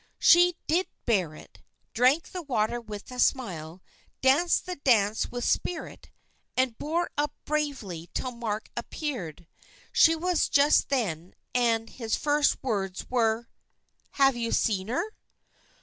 She did bear it, drank the water with a smile, danced the dance with spirit, and bore up bravely till Mark appeared. She was alone just then, and his first words were "Have you seen her?"